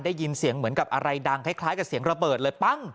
ได้ยินเสียงเหมือนกับอะไรดังคล้ายกับเสียงระเบิดเลยปั้ง